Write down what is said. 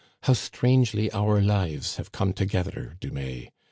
How strangely our lives have come together, Dumais